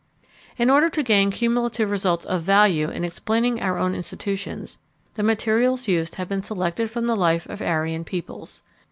In order to gain cumulative results of value in explaining our own institutions, the materials used have been selected from the life of Aryan peoples.